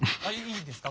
いいですか？